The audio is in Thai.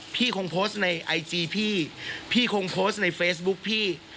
พี่คงโพสต์ในไอจีพี่พี่คงโพสต์ในเฟซบุ๊กพี่